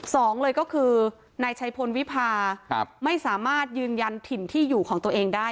สองเลยก็คือนายชัยพลวิพาไม่สามารถยืนยันถิ่นที่อยู่ของตัวเองได้